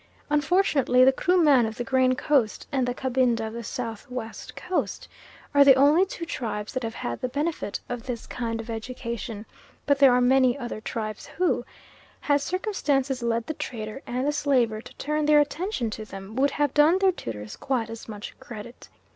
Unfortunately, the Kruman of the Grain Coast and the Cabinda of the South West Coast, are the only two tribes that have had the benefit of this kind of education, but there are many other tribes who, had circumstances led the trader and the slaver to turn their attention to them, would have done their tutors quite as much credit.